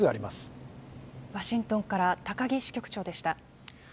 ワシントンから木支局長でした。